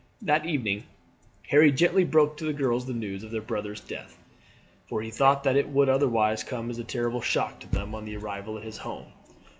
That evening Harry gently broke to the girls the news of their brothers' death, for he thought that it would otherwise come as a terrible shock to them on their arrival at his home.